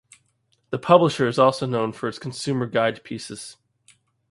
The publisher is also known for its consumer guide pieces.